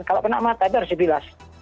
kalau kena mata itu harus dibilas